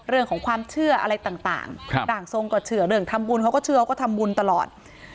เรื่องของความเชื่ออะไรต่างร่างทรงก็เชื่อเรื่องทำบุญเขาก็เชื่อเขาก็ทำบุญตลอด